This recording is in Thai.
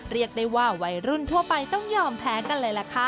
เรียกได้ว่าวัยรุ่นทั่วไปต้องยอมแพ้กันเลยล่ะค่ะ